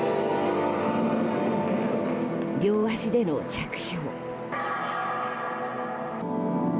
両足での着氷。